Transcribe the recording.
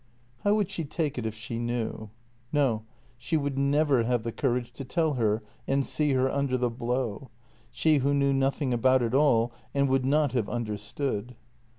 How would she take it if she knew? No, she would never have the courage to tell her and see her under the blow — she who knew nothing about it all and would not have understood.